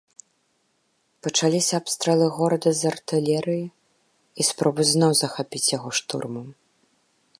Пачаліся абстрэлы горада з артылерыі і спробы зноў захапіць яго штурмам.